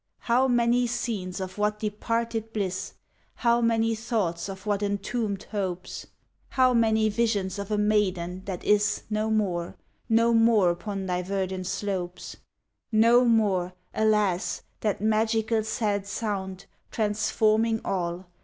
How many scenes of what departed bliss! How many thoughts of what entombed hopes! How many visions of a maiden that is No more no more upon thy verdant slopes! No more! alas, that magical sad sound Transforming all!